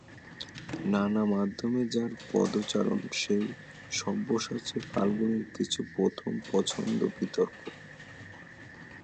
নানা মাধ্যমে যাঁর পদচারণ, সেই সব্যসাচী ফাল্গুনীর কিন্তু প্রথম পছন্দ বিতর্ক।